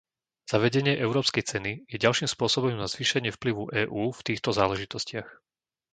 Zavedenie európskej ceny je ďalším spôsobom na zvýšenie vplyvu EÚ v týchto záležitostiach.